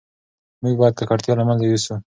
موږ باید ککړتیا له منځه یوسو.